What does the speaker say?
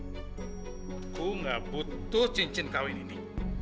aku gak butuh cincin kawin ini